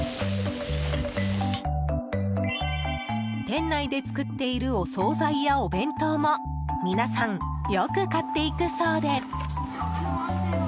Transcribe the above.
店内で作っているお総菜や、お弁当も皆さんよく買っていくそうで。